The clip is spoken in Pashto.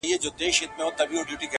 که شرط د یار وي قاسم یاره په منلو ارزي